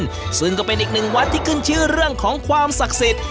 ซึ่งก็เป็นอีกหนึ่งวัดที่ขึ้นชื่อเรื่องของความศักดิ์สิทธิ์